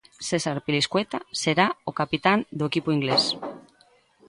César Azpilicueta será o capitán do equipo inglés.